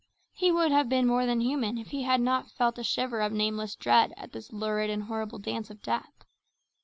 He would have been more than human if he had not felt a shiver of nameless dread at this lurid and horrible dance of death.